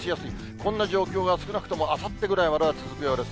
こんな状況が少なくともあさってぐらいまでは続くようです。